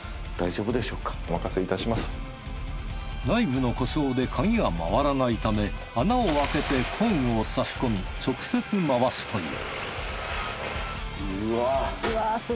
内部の故障で鍵が回らないため穴を開けて工具を差し込み直接回すといううわ。